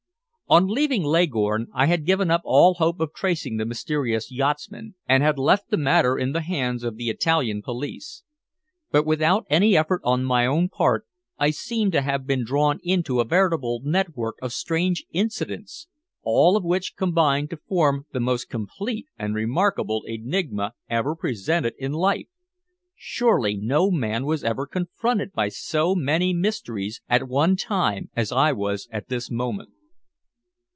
On leaving Leghorn I had given up all hope of tracing the mysterious yachtsman, and had left the matter in the hands of the Italian police. But, without any effort on my own part, I seemed to have been drawn into a veritable network of strange incidents, all of which combined to form the most complete and remarkable enigma ever presented in life. Surely no man was ever confronted by so many mysteries at one time as I was at this moment.